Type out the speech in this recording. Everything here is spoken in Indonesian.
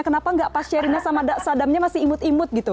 kenapa nggak pas sherina sama sadamnya masih imut imut gitu